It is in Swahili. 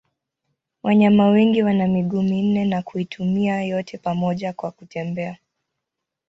Wanyama wengi wana miguu minne na kuitumia yote pamoja kwa kutembea.